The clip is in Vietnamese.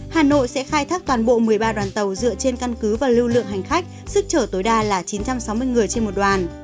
hà nội sẽ khai thác toàn bộ một mươi ba đoàn tàu dựa trên căn cứ và lưu lượng hành khách sức chở tối đa là chín trăm sáu mươi người trên một đoàn